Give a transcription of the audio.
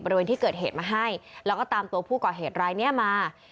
บริเวณที่เกิดเหตุมาให้แล้วก็ตามตัวผู้ก่อเหตุรายนี้มา